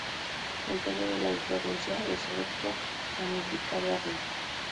El tallo de la inflorescencia es erecto, ramificado arriba.